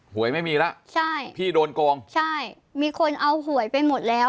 หวยไม่มีแล้วใช่พี่โดนโกงใช่มีคนเอาหวยไปหมดแล้ว